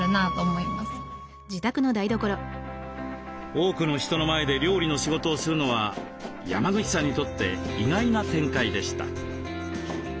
多くの人の前で料理の仕事をするのは山口さんにとって意外な展開でした。